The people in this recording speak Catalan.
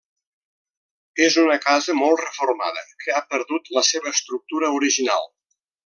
És una casa molt reformada que ha perdut la seva estructura original.